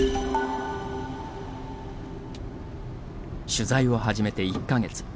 取材を始めて１か月。